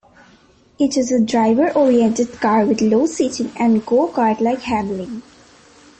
It is a driver oriented car with low seating and go kart like handling.